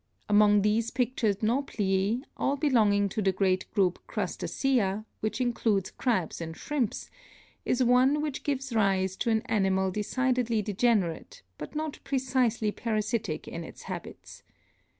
Among these pictured Nauplii, all belonging to the great group Crustacea, which includes crabs and shrimps, is one which gives rise to an animal decidedly degenerate but not precisely parasitic in its habits.